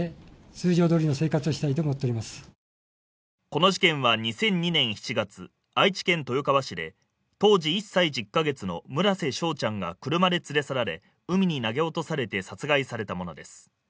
この事件は２００２年７月、愛知県豊川市で、当時１歳１０カ月の村瀬翔ちゃんが車で連れ去られ海に投げ落とされて殺害されたものです。